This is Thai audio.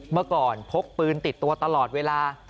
เมื่อก่อนพกปืนติดตัวตลอดเวลา